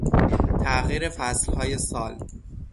تغییر فصلهای سال